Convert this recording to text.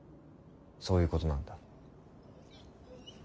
そういうことなんだ。